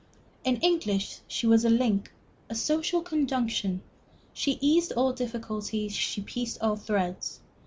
In English she was a link, a social conjunction; she eased all difficulties, she pieced all threads.